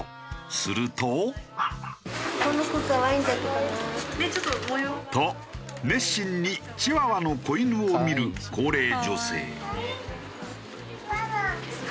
すると。と熱心にチワワの子犬を見る高齢女性。